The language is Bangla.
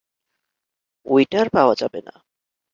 ঐটা আর পাওয়া যাবে না।